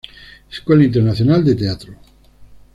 Escuela Internacional de Teatro.